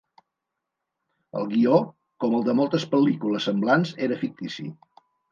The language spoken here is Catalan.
El guió, com el de moltes pel·lícules semblants, era fictici.